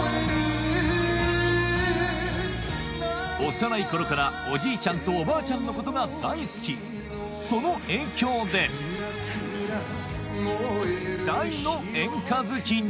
幼い頃からおじいちゃんとおばあちゃんのことが大好きその影響で大の演歌好きに